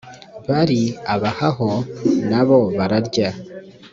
bari abahaho na bo bararya